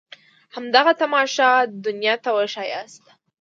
همدغه تماشه دنيا ته وښاياست.